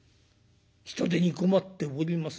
人手に困っております